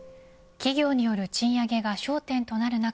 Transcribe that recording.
企業による賃上げが焦点となる中